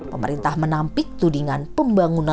pemerintah menampik tudingan pembangunan